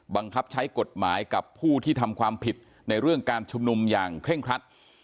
บังคับใช้กฎหมายกับผู้ที่ทำความผิดในเรื่องการชุมนุมอย่างเคร่งครัด